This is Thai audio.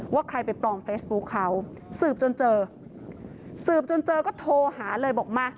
ว่าใครไปปลอมเฟซบุ๊คเขาสืบจนเจอสืบจนเจอก็โทรหาเลยบอกมา